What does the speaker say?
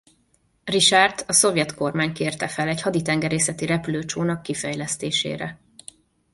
Richardt a szovjet kormány kérte fel egy haditengerészeti repülő csónak kifejlesztésére.